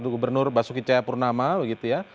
gubernur basuki cahayapurnama begitu ya